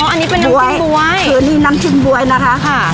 อ๋ออันนี้เป็นน้ำจิ้มบว๋ยบว๋ยทุนนี่น้ำจิ้มบว๋ยนะคะค่ะ